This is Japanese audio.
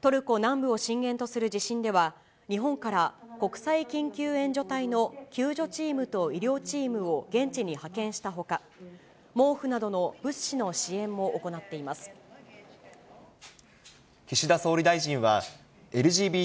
トルコ南部を震源とする地震では、日本から国際緊急援助隊の救助チームと医療チームを現地に派遣したほか、毛布などの物資の支援も岸田総理大臣はＬＧＢＴ、